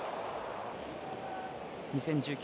２０１９